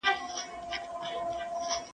تشه لاسه دښمن مي ته ئې.